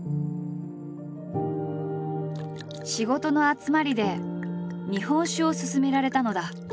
仕事の集まりで日本酒を薦められたのだ。